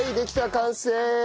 完成！